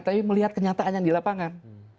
tapi melihat kenyataannya di lapangan